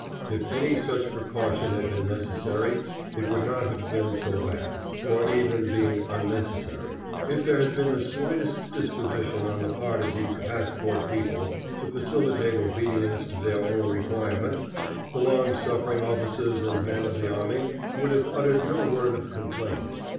If any such precaution had been necessary, it would not have been so bad, or even being unnecessary, if there had been the slightest disposition on the part of these passport people to facilitate obedience to their own requirements, the long suffering officers and men of the army would have uttered no word of complaint.